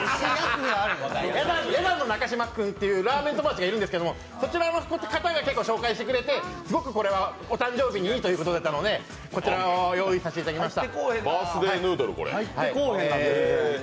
や団の中嶋君というラーメン友達がいるんですけどその子に紹介してもらってすごくこれがいいということでこちらを用意させていただきました。